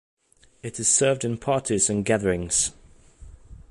It is served in parties and gatherings.